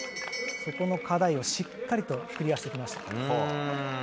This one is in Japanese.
そこの課題をしっかりとクリアしてきました。